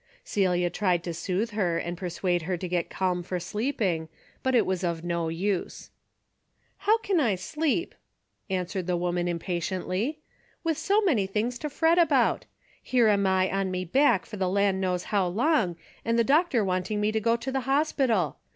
Celia tried to soothe her and persuade her to get calm for sleeping, but it was of no use. "How can I sleep," answered the woman impatiently, " with so many things to fret about ? Here am I on me back for the land knows how long, and the doctor wanting me to go to the hospital.